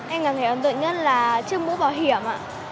em cảm thấy ấn tượng nhất là chiếc mũ bảo hiểm